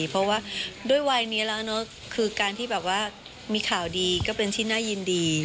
เพราะว่าด้วยวัยนี้แล้วเนอะคือการที่แบบว่ามีข่าวดีก็เป็นที่น่ายินดี